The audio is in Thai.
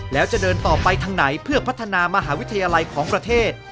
แล้วจะเดินต่อไปทางไหนเพื่อพัฒนามหาวิทยาลัยของประเทศ